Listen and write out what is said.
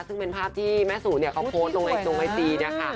คุณที่แม่สู่โพสต์ตรงไอจี